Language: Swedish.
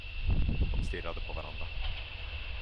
De stirrade på varandra.